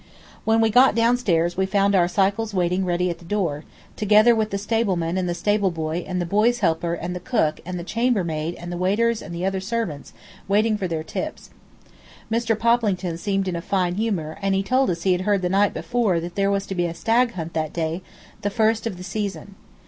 When we got down stairs we found our cycles waiting ready at the door, together with the stable man and the stable boy and the boy's helper and the cook and the chambermaid and the waiters and the other servants, waiting for their tips. Mr. Poplington seemed in a fine humor, and he told us he had heard the night before that there was to be a stag hunt that day, the first of the season.